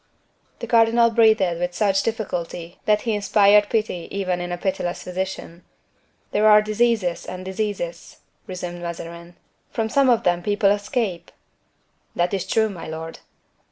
The cardinal breathed with such difficulty that he inspired pity even in a pitiless physician. "There are diseases and diseases," resumed Mazarin. "From some of them people escape." "That is true, my lord."